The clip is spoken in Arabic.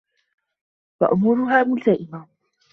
وَأُمُورُهَا مُلْتَئِمَةً